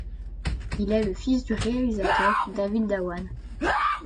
Il est le fils du réalisateur David Dhawan.